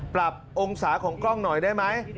มองศาของกล้องหน่อยได้ไหม